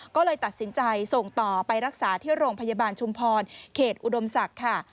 ก็เลยตัดสินใจส่งต่อไปรักษาที่โรงพยาบาลชุมพรเขตอุดมศักดิ์ค่ะ